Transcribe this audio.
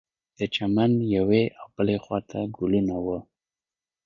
د چمن یوې او بلې خوا ته ګلونه وه.